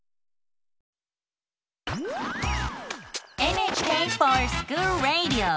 「ＮＨＫｆｏｒＳｃｈｏｏｌＲａｄｉｏ」。